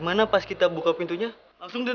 sekarang gue buka pintunya nih